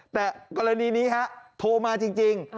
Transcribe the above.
แต่กรณีนี้ฮะโทรมาจริง